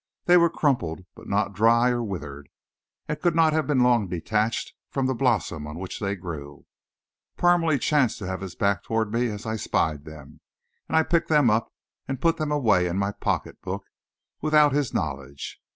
They were crumpled, but not dry or withered, and could not have been long detached from the blossom on which they grew. Parmalee chanced to have his back toward me as I spied them, and I picked them up and put them away in my pocket book without his knowledge.